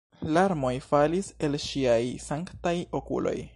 Larmoj falis el ŝiaj sanktaj okuloj.